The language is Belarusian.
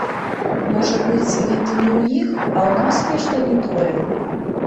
Можа быць, гэта не ў іх, а ў нас нешта не тое?